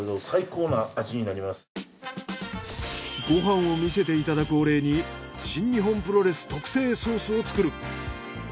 ご飯を見せていただくお礼に新日本プロレス特製ソースを作る。